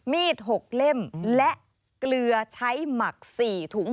๖เล่มและเกลือใช้หมัก๔ถุง